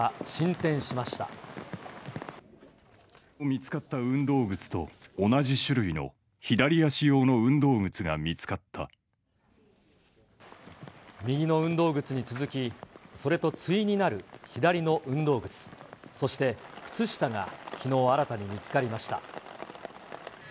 見つかった運動靴と同じ種類右の運動靴に続き、それと対になる左の運動靴、そして靴下がきのう新たに見つかりました。